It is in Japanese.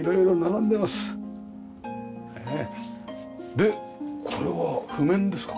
でこれは譜面ですか？